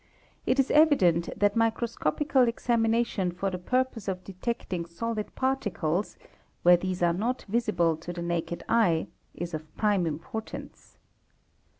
it is evident that microscopical examination for the purpose of detecting solid parti cles, where these are not visible to the naked eye, is of prime importance.